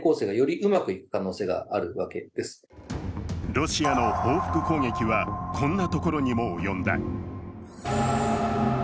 ロシアの報復攻撃はこんなところにも及んだ。